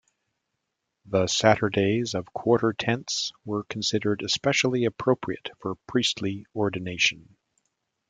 The Saturdays of Quarter Tense were considered especially appropriate for priestly ordination.